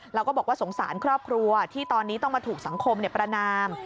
แล้วก็บอกว่าสงสารครอบครัวที่ตอนนี้ต้องมาถูกสังคมประนาม